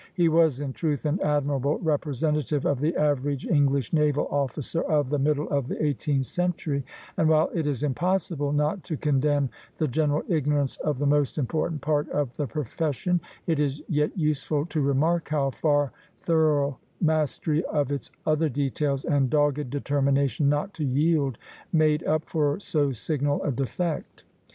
He was in truth an admirable representative of the average English naval officer of the middle of the eighteenth century; and while it is impossible not to condemn the general ignorance of the most important part of the profession, it is yet useful to remark how far thorough mastery of its other details, and dogged determination not to yield, made up for so signal a defect.